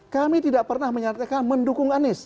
kami tidak pernah menyatakan mendukung anies